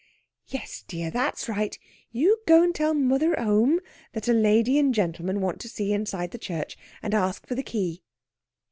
"Yes, dear, that's right. You go and tell moarther t' whoam that a lady and gentleman want to see inside the church, and ask for the key."